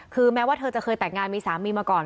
คือแม้ว่าเธอจะเคยแต่งงานมีสามีมาก่อน